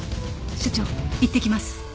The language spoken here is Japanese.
所長いってきます。